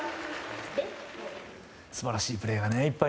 素晴らしいプレーがいっぱい